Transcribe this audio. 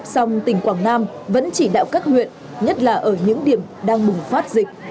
song tỉnh quảng nam vẫn chỉ đạo các huyện nhất là ở những điểm đang bùng phát dịch